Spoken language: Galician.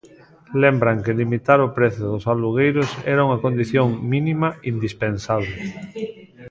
Lembran que limitar o prezo dos alugueiros era unha condición mínima indispensable.